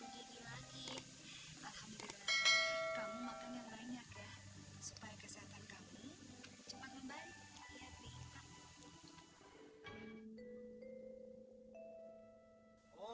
mendingan bik sekarang mau kembang menjadi lagi